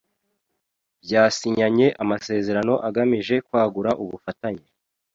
byasinyanye amasezerano agamije kwagura ubufatanye